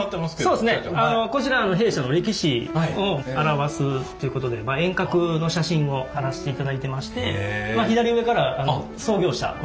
そうですねあのこちら弊社の歴史を表すということで沿革の写真を貼らせていただいてまして左上から創業者私の父親ですね。